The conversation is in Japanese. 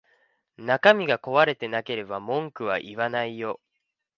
中身が壊れてなければ文句は言わないよ